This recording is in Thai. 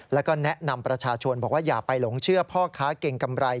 แล้วก็แนะนำประชาชนบอกว่าอย่าไปหลงเชื่อพ่อค้าเก่งกำไร